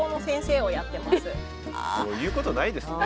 もう言うことないですね。